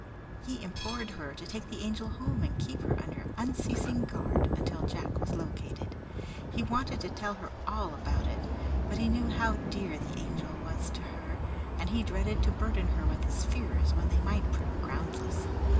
He implored her to take the Angel home and keep her under unceasing guard until Jack was located. He wanted to tell her all about it, but he knew how dear the Angel was to her, and he dreaded to burden her with his fears when they might prove groundless.